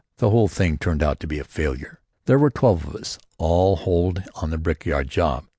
The whole thing turned out to be a failure. There were twelve of us all told on that brickyard job.